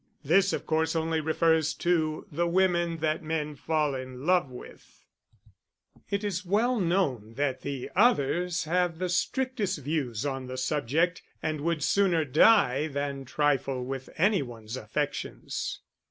This of course only refers to the women that men fall in love with; it is well known that the others have the strictest views on the subject, and would sooner die than trifle with any one's affections.